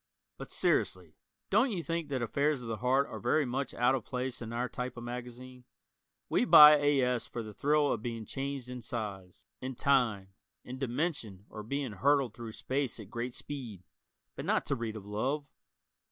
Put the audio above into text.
But seriously, don't you think that affairs of the heart are very much out of place in "our" type of magazine? We buy A. S. for the thrill of being changed in size, in time, in dimension or being hurtled through space at great speed, but not to read of love.